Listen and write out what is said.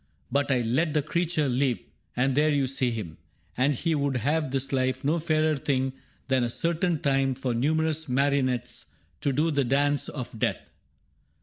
But I let the creature live, and there you see him ; And he would have this life no fairer thing Than a certain time for numerous marionettes To do the Dance of Death.